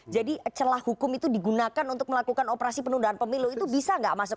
jadi celah hukum itu digunakan untuk melakukan operasi penundaan pemilu itu bisa nggak masuk